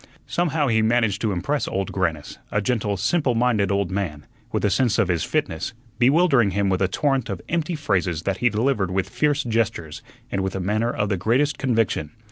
Somehow he managed to impress Old Grannis, a gentle, simple minded old man, with a sense of his fitness, bewildering him with a torrent of empty phrases that he delivered with fierce gestures and with a manner of the greatest conviction.